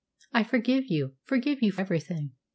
"I forgive you, forgive you everything.